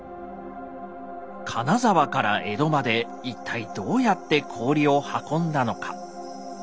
金沢から江戸まで一体どうやって氷を運んだのか。